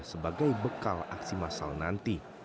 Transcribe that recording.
sebagai bekal aksi massal nanti